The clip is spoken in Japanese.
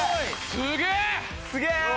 すげえ！